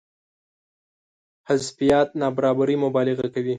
حذفيات نابرابرۍ مبالغه کوي.